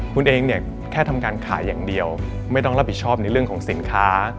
คุณเองเนี่ยแค่ทำการขายอย่างเดียวไม่ต้องรับผิดชอบในเรื่องของสินค้า